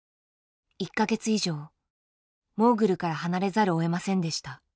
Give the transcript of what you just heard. １か月以上モーグルから離れざるをえませんでした。